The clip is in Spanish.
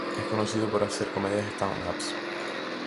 Es conocido por hacer comedia stand up.